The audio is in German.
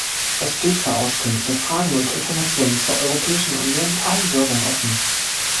Es steht für Auskünfte, Fragen und Informationen zur Europäischen Union allen Bürgern offen.